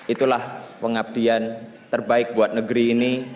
itulah pengabdian terbaik buat negeri ini